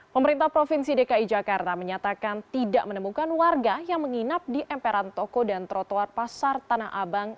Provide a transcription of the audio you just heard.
pemerintah provinsi dki jakarta menyatakan tidak menemukan warga yang menginap di emperan toko dan trotoar pasar tanah abang